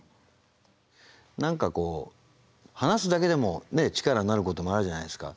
何かこう話すだけでも力になることもあるじゃないですか。